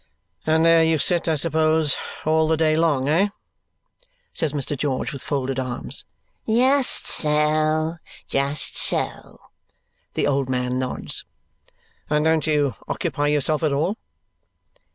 "And there you sit, I suppose, all the day long, eh?" says Mr. George with folded arms. "Just so, just so," the old man nods. "And don't you occupy yourself at all?"